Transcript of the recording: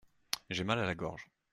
J’ai mal à la gorge.